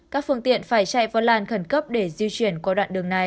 các phương tiện phải chạy vào làn khẩn cấp để di chuyển qua đoạn đường này